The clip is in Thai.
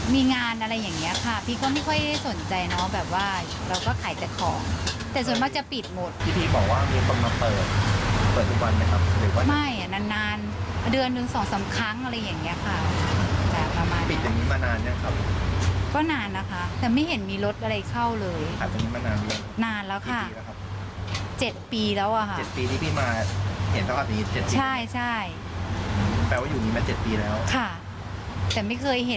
ก็นานนะครับแต่ไม่เห็นมีลดอะไรเข้าเลย